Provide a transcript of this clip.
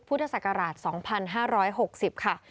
พุทธศักราช๒๕๖๐ค่ะ